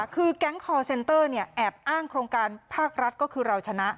คือแก๊งคอร์เซ็นเตอร์แอบอ้างโครงการภาครัฐก็คือเราชนะ